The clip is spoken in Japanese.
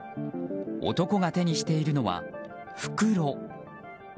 男が手にしているのは袋。